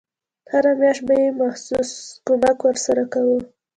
هره میاشت به یې مخصوص کمک ورسره کاوه.